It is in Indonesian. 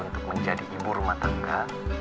untuk menjadi ibu rumah tangga